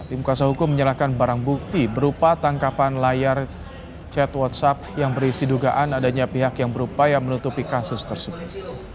tim kuasa hukum menyerahkan barang bukti berupa tangkapan layar chat whatsapp yang berisi dugaan adanya pihak yang berupaya menutupi kasus tersebut